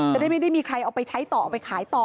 จะได้ไม่ได้มีใครเอาไปใช้ต่อเอาไปขายต่อ